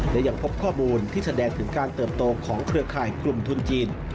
และยังพบข้อมูลที่แสดงถึงการเติบโตของเครือข่ายกลุ่มทุนจีน